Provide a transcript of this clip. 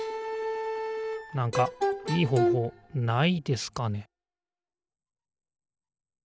なんかいいほうほうないですかね